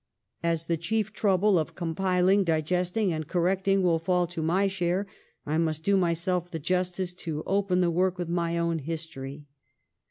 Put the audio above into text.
As the chief trouble of compiling, digesting, and correcting will fall to my share, I must do myself the justice to open the work with my own history.'